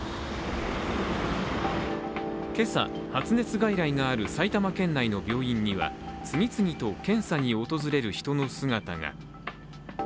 今朝、発熱外来がある埼玉県内の病院には次々と検査に訪れる人の姿が。